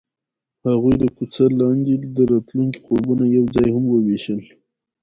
هغوی د کوڅه لاندې د راتلونکي خوبونه یوځای هم وویشل.